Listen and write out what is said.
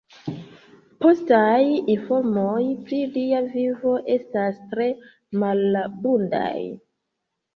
Postaj informoj pri lia vivo estas tre malabundaj.